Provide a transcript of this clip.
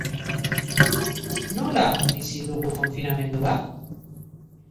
Nola bizi dugu konfinamendua?